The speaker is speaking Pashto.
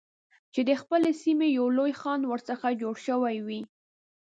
چې د خپلې سیمې یو لوی خان ورڅخه جوړ شوی وي.